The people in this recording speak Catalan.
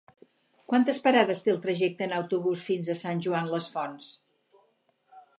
Quantes parades té el trajecte en autobús fins a Sant Joan les Fonts?